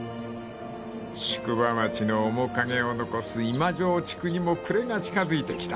［宿場町の面影を残す今庄地区にも暮れが近づいてきた］